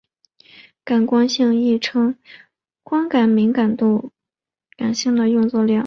感光性亦称光敏感度或光敏性时的作用量。